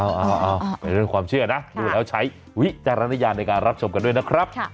เอาเป็นเรื่องความเชื่อนะดูแล้วใช้วิจารณญาณในการรับชมกันด้วยนะครับ